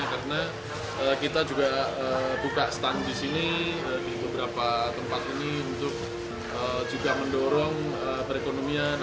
karena kita juga buka stand di sini di beberapa tempat ini untuk juga mendorong perekonomian